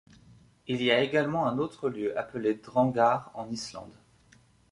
Il y a également un autre lieu appelé Drangar en Islande.